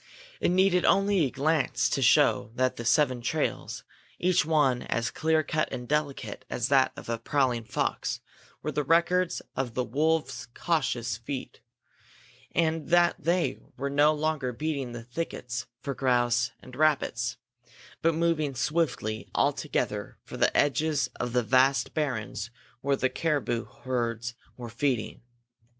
It needed only a glance to show that the seven trails, each one as clear cut and delicate as that of a prowling fox, were the records of wolves' cautious feet; and that they were no longer beating the thickets for grouse and rabbits, but moving swiftly all together for the edges of the vast barrens where the caribou herds were feeding.